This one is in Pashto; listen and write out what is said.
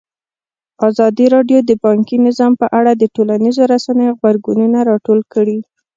ازادي راډیو د بانکي نظام په اړه د ټولنیزو رسنیو غبرګونونه راټول کړي.